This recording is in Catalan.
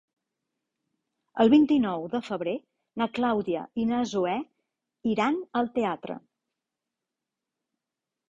El vint-i-nou de febrer na Clàudia i na Zoè iran al teatre.